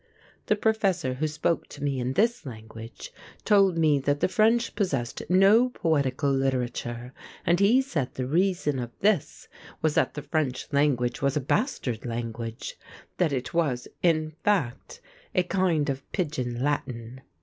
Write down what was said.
The professor who spoke to me in this language told me that the French possessed no poetical literature, and he said the reason of this was that the French language was a bastard language; that it was, in fact, a kind of pidgin Latin.